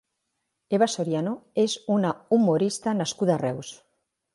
Eva Soriano és una humorista nascuda a Reus.